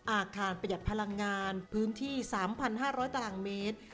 ประหยัดพลังงานพื้นที่๓๕๐๐ตารางเมตร